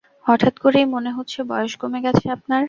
হঠাৎ করেই মনে হচ্ছে বয়স কমে গেছে আপনার।